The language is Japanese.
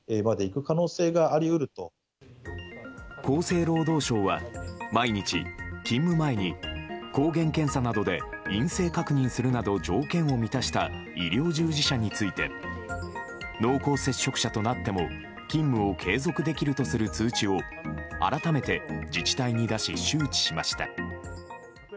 厚生労働省は毎日、勤務前に抗原検査などで陰性確認するなど条件を満たした医療従事者について濃厚接触者となっても勤務を継続できるとする通知を改めて自治体に出し周知しました。